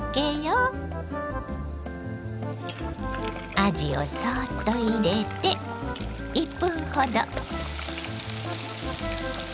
あじをそっと入れて１分ほど。